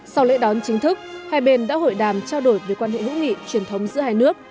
sau lễ đón chính thức hai bên đã hội đàm trao đổi về quan hệ hữu nghị truyền thống giữa hai nước